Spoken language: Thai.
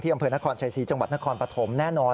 อำเภอนครชัยศรีจังหวัดนครปฐมแน่นอน